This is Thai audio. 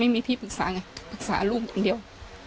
ไม่มีที่ปรึกษาไงปรึกษาลูกคนเดียว